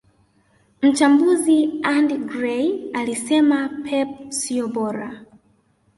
Mchambuzi Andy Gray alisema pep siyo bora